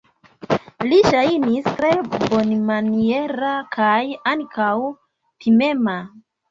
Li ŝajnis tre bonmaniera kaj ankaŭ timema.